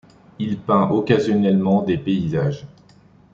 Il peint occasionnellement des paysages.